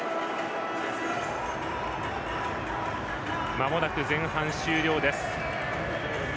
まもなく前半終了です。